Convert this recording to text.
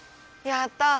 やった！